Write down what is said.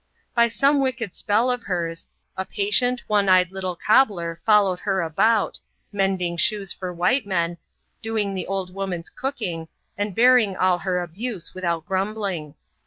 By some wicked spell of hers, a patient, one eyed little eobbler followed her about, mending shoes for white men, doing the old woman's cooking, and bearing all her abuse without grum bling.